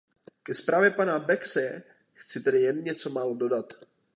Ke zprávě pana Becseye chci tedy jen něco málo dodat.